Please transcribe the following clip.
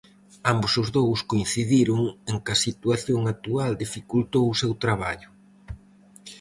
Ambos os dous coincidiron en que a situación actual dificultou o seu traballo.